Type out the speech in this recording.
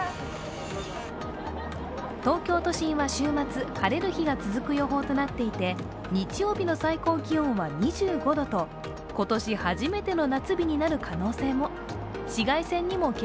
東京都心は週末晴れる日が続く予報となっていて、日曜日の最高気温は２５度と今年初めての夏日になる可能性も。